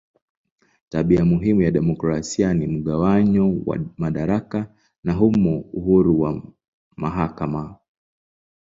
Tabia muhimu ya demokrasia ni mgawanyo wa madaraka na humo uhuru wa mahakama.